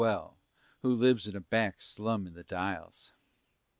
well, Who lives in a back slum in the Dials.